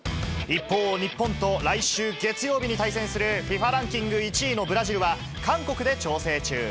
一方、日本と来週月曜日に対戦するＦＩＦＡランキング１位のブラジルは韓国で調整中。